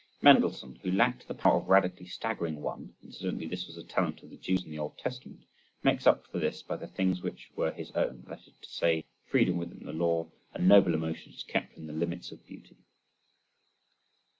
Mendelssohn who lacked the power of radically staggering one (incidentally this was the talent of the Jews in the Old Testament), makes up for this by the things which were his own, that is to say: freedom within the law, and noble emotions kept within the limits of beauty.